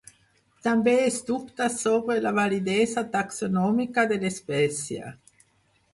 També es dubta sobre la validesa taxonòmica de l'espècie.